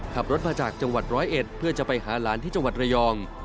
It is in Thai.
ขับรถมาจากจังหวัดร้อยเอ็ดเพื่อจะไปหาหลานที่จังหวัดระยอง